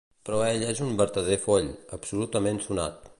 Però ell és un vertader foll, absolutament sonat.